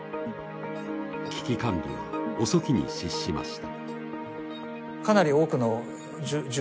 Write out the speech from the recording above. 危機管理は遅きに失しました。